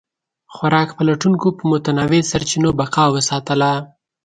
خوراک پلټونکو په متنوع سرچینو بقا وساتله.